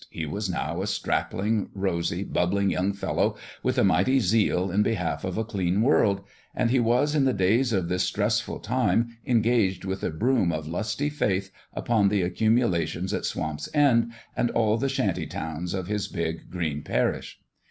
He was now a strapping, rosy, bub bling young fellow with a mighty zeal in behalf of a clean world ; and he was in the days of this stressful time engaged with a broom of lusty faith upon the accumulations at Swamp's End and all the shanty towns of his big, green parish.